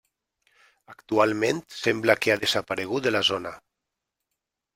Actualment sembla que ha desaparegut de la zona.